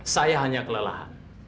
saya hanya kelelahan